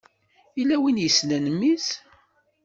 Yella win yessnen mmi-s?